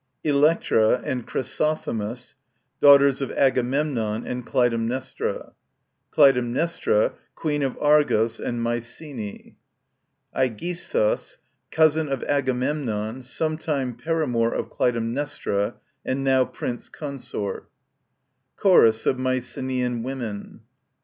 ELECTRA daughters of Agamemnon and Clytem CHRYSOTHEMIS nestra CLYTEMNESTRA, Queen of Argos and Mycenae. AREGISTHUS, cousin of Agamemnon, sometime paramour of Clytemnestra and now prince consort Cuorus or MyceneaAn WoMEN.